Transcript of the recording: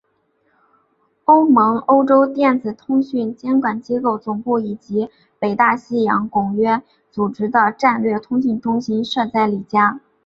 欧盟欧洲电子通讯监管机构总部以及北大西洋公约组织的战略通讯中心设在里加。